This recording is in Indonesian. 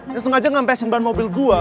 yang sengaja ngampe sembar mobil gue